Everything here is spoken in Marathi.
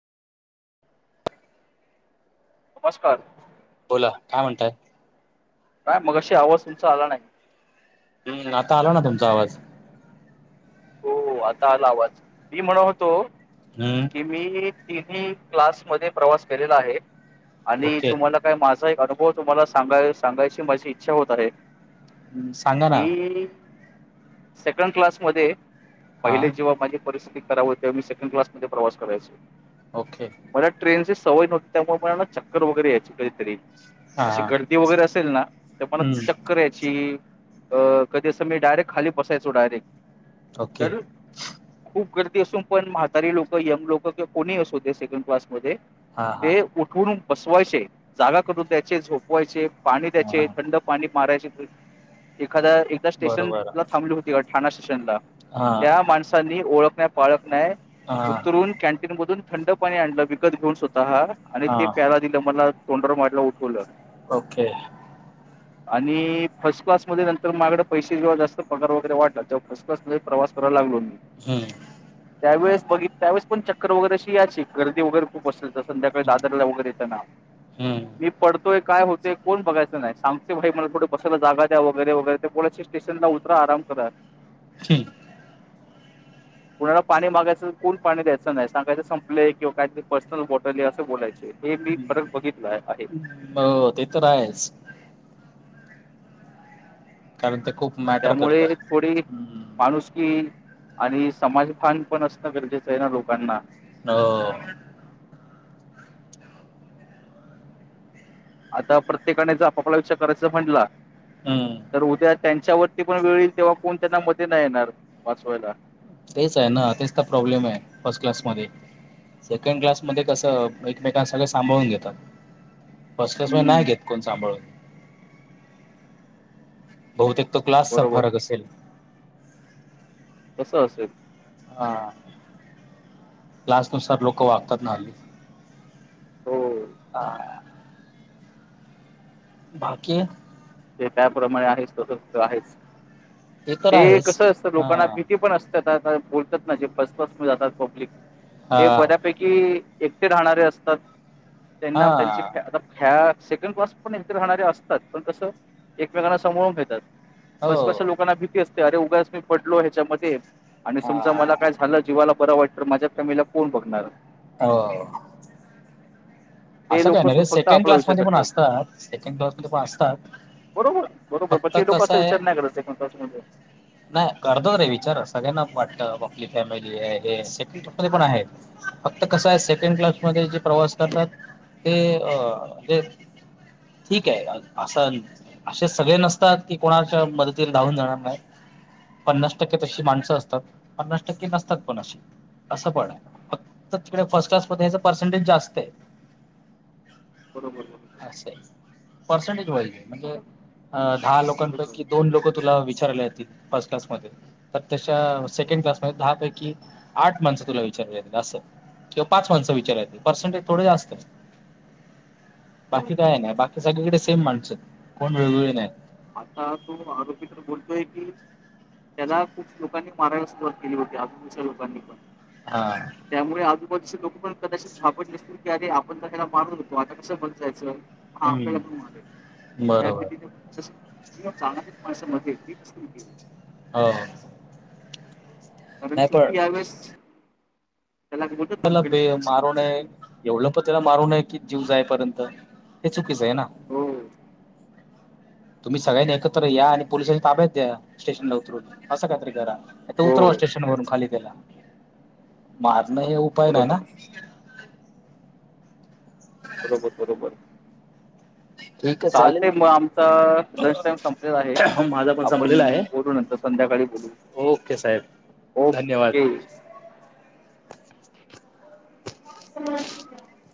नमस्कार बोला काय म्हणताय? काय मग अशी आवाज तुमचा आला नाही हम्म आता आला ना तुमचा आवाज हो आता आला आवाज. मी म्हणत होतो हम्म की मी तिन्ही क्लास मध्ये प्रवास केलेला आहे आणि ओके तुम्हाला काय, माझा अु व तुम्हाला सांगाय सांगायची माझी इच्छा होत आहे. सांगना... की सेकंड क्लास मध्ये हा पहिले, जेव्हा माझी परिस्थिती सेकंड क्लास मध्ये प्रवास करायचं. ओके मला ट्रेन सवय नव्हती त्यामुळे ना चक्कर वगैरे याची हा अशी हा गर्दी वगैरे असेल ना, तर मला हम्म चक्कर याची अ... कधी असं मी डायरेक्ट खाली बसायचो, डायरेक्ट. ओके. ती अस पण म्हातारी लोक यंग लोक किं कोणी असूदे ते सेकंड क्लास म हा हा ते उठून बसवायचे, जागा करून द्यायचे, झोपवायचे पाणी द्याचे, हा थंड पाणी मारायचे. एखाद्या एकदा स्टेशन बरोबर ला थांबली होती ठाणा स्टेशनला हा त्या माणसांनी ओळख नाही पाळख हा उतरून, कॅनटीन मधून थंड पाणी आणलं विकत घेऊन हा आणि हा ते प्याला दिलं मला तोंडावर मारलं, उठवलं ओके आणि फर्स्ट क्लासमध्ये नंतर मागड पैसे जेव्हा जास्त पगार वगैरे वाटला तेव्हा फर्स्ट क्लासमध्ये प्रवास कराय लागो हम्म त्यावेळेस बघित त्यावेळेस पण चक्कर वगैरे अशी यायची गर्दी वगैरे खूप असले तर संध्याकाळी हम्म दादरला वगैरे येतं ना मी हम्म पडतोय काय होतंय कोण बघायचं नाही सांगतेय भाई मला कुठे बसायला जागा द्या वगैरे वगैरे ते बोय स्टेशन ला उतरा आराम करा. ठी रिकामा ऑडिओ कुणाला पाणी मागायचं तर कोण पाणी द्यायचं नाही सांगायचं संपलंय किंवा काहीतरी पर्सनल बॉटल आहे असं बोलायचे. मी परत हम्म. बघितलं आहे. हो ते तर आहेच. [unintelligible] करत हो त्यामुळे थोडी माणूसकी. आणि समाजभान पण असणं गरजेचं आहे ना लोकांना. हो... आता प्रत्येकाने ज आपापला विचार करायचा म्हटला,, हम्म तर उद्या त्यांच्यावरती पण वेळ येईल तेव्हा कोण त्यांना मध्ये नाही येणार वाचवायला. तेच आहे ना तेच तर प्रॉब्लेम आहे फर्स्ट क्लासमध्ये सेकंड क्लासमध्ये कसं एकमेकांना सगळ सांभाळून घेतात. फर्स्ट क्लास नाही हम्म, घेत कोण सांभाळून. बहुतेक तो क्लासचा बरोबर. फरक असेल कसं असेल? क्लास नुसार लोक वागतात ना हल्ली. हो. हा. बाकी? ते त्याप्रमाणे आहेच तस त आहेच. तर ते आहेच. कसं असतं हा लोकांना भीती पण असते आता ता बोल जे पसपास जातात पब्लिक हा ते बऱ्यापैकी एकटे राहणारे असतात त्यांना त्यांची फ हा आता फ्या सेकंड क्लास पण इथ राहणारे असतात पण कसं एकमेकांना सांभाळून घेतात. बसपश हो. लोकांना भीती असते अरे उभास मी पडलो ह्याच्यामध्ये. आणि समजा मला हा. काय झालं जीवाला बरं वाईट तर माझ्या फॅमिलीला कोण बघणार? हो! [inaudible] असं काय लोकं नाही रे फक्त सेकंड आपला विचार क्लासमध्ये पण करतात. असतात, सेकंड क्लासमध्ये पण असतात. बरोबर, बरोबर पण फक्त ते लोक कसं असा आहे विचार नाही करत सेकंड क्लास मध्ये. नाही करतो रे विचार सगळ्यांना वाट आपली फॅमिली हे आहे सेकड क्स पण आहे, फक्त कस आहे सेकंड क्लासमध्ये जे प्रवास करतात ते अ ठीक आहे असं असे सगळे नसतात की कोणाच्या मदतीला धावून जाणार नाही. पन्नास टक्के तशी माणसं असतात, पन्नास टक्के नसतात पण अशी. असं पण फक्त तिकडे फर्स्ट क्लास मध्ये हच पर्सेंटेज जास्त आहे. बरोबर बरोबर पर्सेंटेज वाय म्हणजे अ दहा लोकांपैकी दोन लोक तुला विचारले आहेत, फस्ट क्लास मध्ये तर तशा सेकंड क्लासमध्ये दहा पैकी आठ माणसं तुला विचाराय अस किंवा पाच माणसं विचाराय पर्सेंटेज थोडे जास्त. बाकी काय नाही. बाकी सगळीकडे सेम माणसं, कोण वेग वेगळी नाय. आता तो आरोपी तर बोलतोय की त्याला खूप लोकांनी मारायला सुरुवात केली होती आजूबाजूच्या लोकांनी पण. हा त्यामुळे आजूबाजूचे लोक पण कदाचित घाबरले असतील. की अरे आपण तर त्याला मारत होतो आता कसं बसायचं. हा हम्म. आपल्याला पण मारेल ह्या बरोबर भीतीने [unintelligible] हां. कारण सुखी आहेस. त्याला बे मारू नये. चुकी एवढ पण त्याला मारू नये की जीव जायपर्यंत हेच कीस आहे ना. हो तुम्ही सगळ्यांनी एकत्र या आणि पोलिसांच्या ताब्यात द्या, स्टेशनला उतरून अस काय तरी करा. नायतर हो उतरवा स्टेशन वरून खाली त्याला. मार न हे पर्याय नाही ना. बरोबर बरोबर बरोबर. ठीक आहे चालेल चालते मग आमचा लंच टाइम संपलेला आहे, माझा पण आपण संपलेला आहे बोलू नंतर संध्याकाळी बोलू. ओके साहेब. धन्यवाद. ओके [inaudible] [unintelligible]